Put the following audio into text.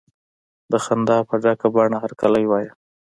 د خندا په ډکه بڼه هرکلی وایه.